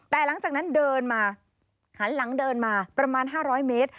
แต่หลังจากนั้นเดินมาหันหลังเดินมาประมาณ๕๐๐เมตร